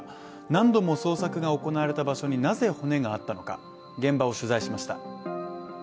何度も捜索が行われた場所になぜ骨があったのか、現場を取材しました。